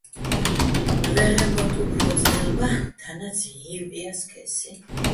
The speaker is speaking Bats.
ვეღეჼ მოტტ უფრო ძნელ ბა, თანაც, ჲჵივჸ ჲა სქესი.